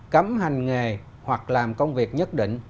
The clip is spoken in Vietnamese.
cấm hành nghề hoặc làm công việc nhất định